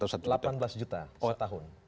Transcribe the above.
delapan belas juta setahun